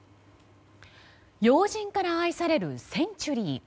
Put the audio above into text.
要人から愛されるセンチュリー。